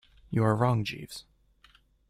You are wrong, Jeeves.